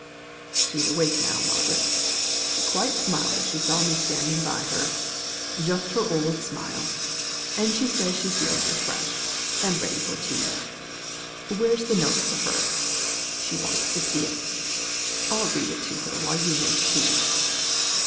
"She's awake now, Margaret. She quite smiled as she saw me standing by her. Just her old smile. And she says she feels refreshed, and ready for tea. Where's the note for her? She want's to see it. I'll read it to her while you make tea."